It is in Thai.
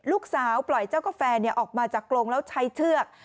ปล่อยเจ้ากาแฟออกมาจากกรงแล้วใช้เชือก